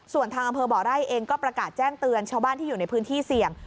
ส่วนทางอำเภอบ่อไร่เองก็ประกาศแจ้งเตือนชาวบ้านที่อยู่ในพื้นที่เสี่ยง